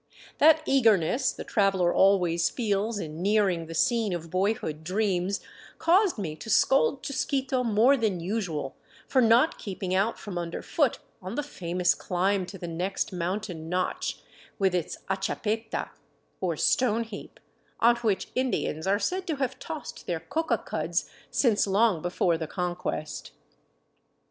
That eagerness the traveler always feels in nearing the scene of boyhood dreams caused me to scold Chusquito more than usual for not keeping out from underfoot on the famous climb to the next mountain notch, with its achapeta, or stone heap, on which Indians are said to have tossed their coca cuds since long before the Conquest.